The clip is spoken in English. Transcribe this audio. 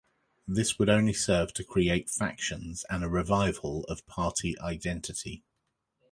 This would only serve to create factions and a revival of party identity.